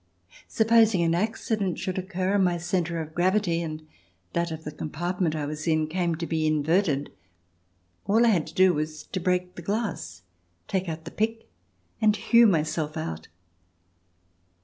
Supposing an accident should occur, and my centre of gravity and that of the compartment I was in came to be inverted, all I had to do was to break the glass, take out the pick, and hew myself out.